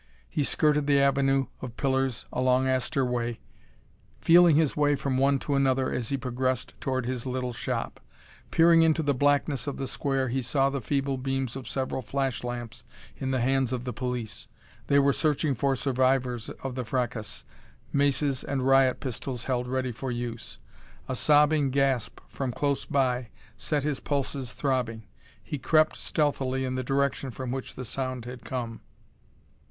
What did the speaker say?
He skirted the avenue of pillars along Astor Way, feeling his way from one to another as he progressed toward his little shop. Peering into the blackness of the square he saw the feeble beams of several flash lamps in the hands of the police. They were searching for survivors of the fracas, maces and riot pistols held ready for use. A sobbing gasp from close by set his pulses throbbing. He crept stealthily in the direction from which the sound had come.